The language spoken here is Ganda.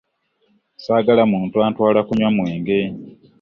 Ssaagala muntu antwala kunywa mwenge.